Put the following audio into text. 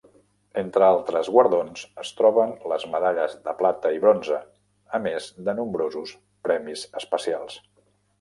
Entre altres guardons es troben les medalles de plata i bronzo, a més de nombrosos premis especials.